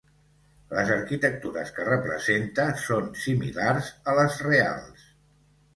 Les arquitectures que representa són similars a les reals.